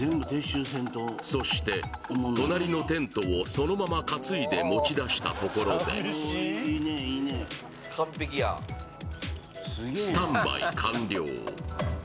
そして、隣のテントをそのまま担いで持ち出したところでスタンバイ完了。